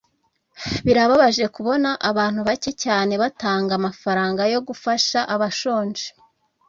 birababaje kubona abantu bake cyane batanga amafaranga yo gufasha abashonje